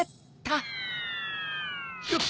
よっ！